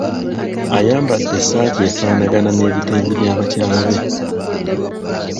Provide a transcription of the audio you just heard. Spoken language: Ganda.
Ayambadde essaati efaanagana n'ebitengi bya bakyala be.